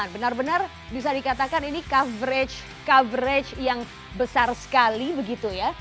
benar benar bisa dikatakan ini coverage coverage yang besar sekali begitu ya